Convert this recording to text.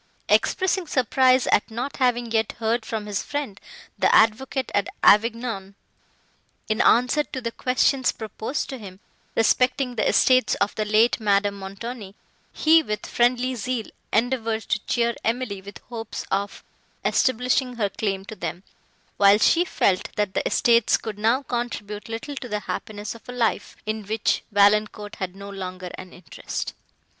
Expressing surprise at not having yet heard from his friend, the Advocate at Avignon, in answer to the questions proposed to him, respecting the estates of the late Madame Montoni, he, with friendly zeal, endeavoured to cheer Emily with hopes of establishing her claim to them; while she felt, that the estates could now contribute little to the happiness of a life, in which Valancourt had no longer an interest.